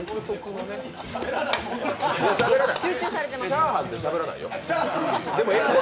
チャーハンでしゃべらないよ。